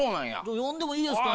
呼んでもいいですかね？